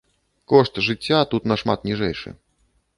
Кошт жыцця тут нашмат ніжэйшы.